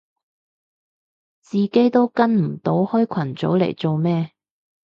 自己都跟唔到開群組嚟做咩